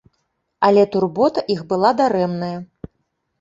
Але турбота іх была дарэмная.